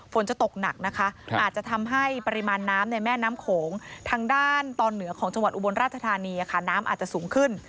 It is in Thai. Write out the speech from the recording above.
ฝนจะตกหนักนะคะอาจจะทำให้ปริมาณน้ำในแม่น้ำโขงทางด้านตอนเหนือของจังหวัดอุบลราชธานีค่ะน้ำอาจจะสูงขึ้น